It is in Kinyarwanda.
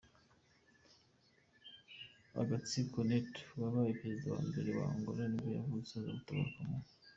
Agostinho Neto, wabaye perezida wa mbere wa Angola nibwo yavutse, aza gutabaruka mu .